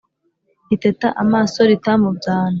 Riteta amaso rita mu byano